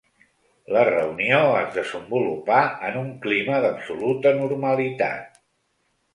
La reunió es desenvolupà en un clima d’absoluta normalitat.